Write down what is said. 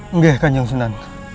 enggak kan kanjang tuhan